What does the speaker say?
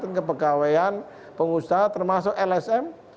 dan kepegawaian pengusaha termasuk lsm